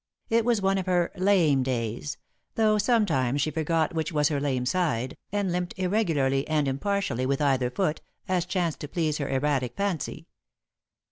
It was one of her "lame" days, though sometimes she forgot which was her lame side, and limped irregularly and impartially with either foot, as chanced to please her erratic fancy.